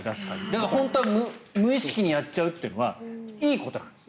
だから本当は無意識にやっちゃうというのはいいことなんです